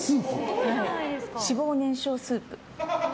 脂肪燃焼スープ。